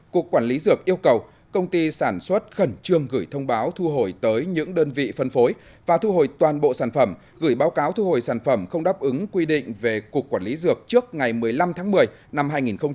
cục quản lý dược yêu cầu công ty sản xuất khẩn trương gửi thông báo thu hồi tới những đơn vị phân phối và thu hồi toàn bộ sản phẩm gửi báo cáo thu hồi sản phẩm không đáp ứng quy định về cục quản lý dược trước ngày một mươi năm tháng một mươi năm hai nghìn hai mươi